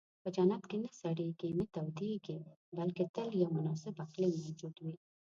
په جنت کې نه سړېږي، نه تودېږي، بلکې تل یو مناسب اقلیم موجود وي.